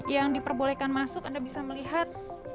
yang diperbolehkan masuk anda bisa melihat